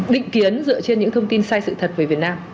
định kiến dựa trên những thông tin sai sự thật về việt nam